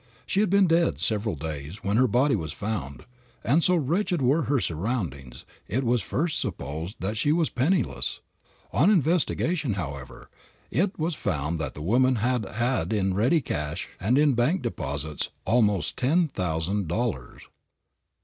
She had been dead several days when her body was found, and so wretched were her surroundings, it was at first supposed that she was penniless. On investigation, however, it was found that the woman had had in ready cash and in bank deposits, almost ten thousand dollars.